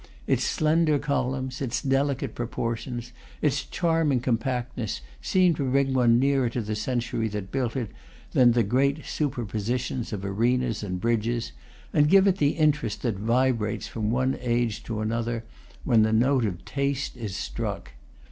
Its slender columns, its delicate proportions, its charming com pactness, seemed to bring one nearer to the century that built it than the great superpositions of arenas and bridges, and give it the interest that vibrates from one age to another when the note of taste is struck.